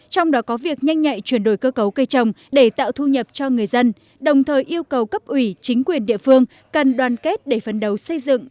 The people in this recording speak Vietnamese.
trong đó có việc nhanh nhạy chuyển đổi cơ cấu cây trồng để tạo thu nhập cho người dân đồng thời yêu cầu cấp ủy chính quyền địa phương cần đoàn kết để phấn đấu xây dựng